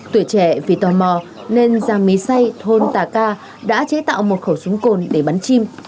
tuổi trẻ vì tò mò nên giang mí xay thôn tà ca đã chế tạo một khẩu súng cồn để bắn chim